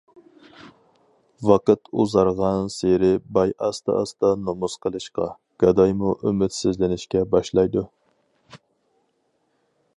ۋاقىت ئۇزارغانسېرى باي ئاستا-ئاستا نومۇس قىلىشقا، گادايمۇ ئۈمىدسىزلىنىشكە باشلايدۇ.